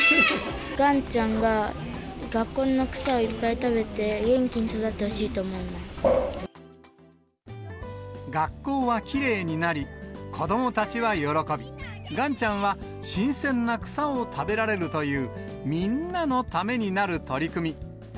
がんちゃんが学校の草をいっぱい食べて、元気に育ってほしい学校はきれいになり、子どもたちは喜び、がんちゃんは新鮮な草を食べられるという、みんなのためになる取り組み。